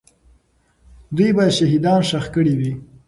دوی به شهیدان ښخ کړي وي.